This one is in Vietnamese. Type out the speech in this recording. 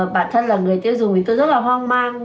bản thân là người tiêu dùng thì tôi rất là hoang mang